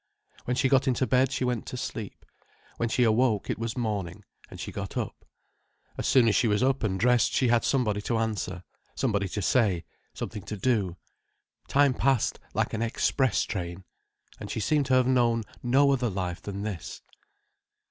When she got into bed she went to sleep. When she awoke, it was morning, and she got up. As soon as she was up and dressed she had somebody to answer, something to say, something to do. Time passed like an express train—and she seemed to have known no other life than this.